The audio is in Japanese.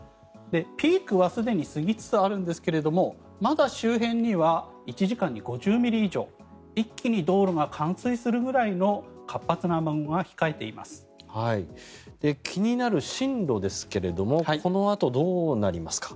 ピークはすでに過ぎつつあるんですけれどまだ周辺には１時間に５０ミリ以上一気に道路が冠水するくらいの活発な雨雲が気になる進路ですがこのあとどうなりますか？